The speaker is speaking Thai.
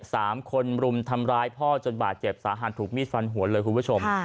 สามคนรุมทำร้ายพ่อจนบาดเจ็บสาหัสถูกมีดฟันหัวเลยคุณผู้ชม